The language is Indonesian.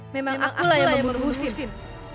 memang akulah yang membunuh nusin